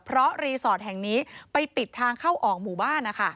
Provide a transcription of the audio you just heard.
เพราะรีสอร์ทแห่งนี้ไปปิดทางเข้าออกหมู่บ้าน